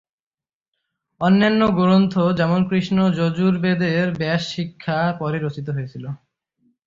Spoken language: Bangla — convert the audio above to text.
অন্যান্য গ্রন্থ, যেমন কৃষ্ণ যজুর্বেদের ব্যাস-শিক্ষা, পরে রচিত হয়েছিল।